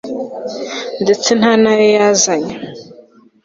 ndetse nta n'ayo yazana